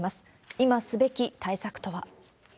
今すべき対策とは。